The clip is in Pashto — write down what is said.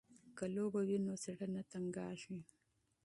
که لوبه وي نو زړه نه تنګیږي.